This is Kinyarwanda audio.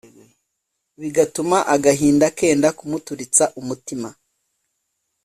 bigatuma agahinda kenda kumuturitsa umutima,